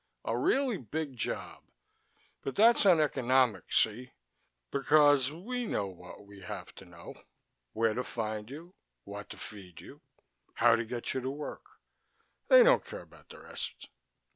A really big job. But that's uneconomic, see? Because we know what we have to know. Where to find you, what to feed you, how to get you to work. They don't care about the rest."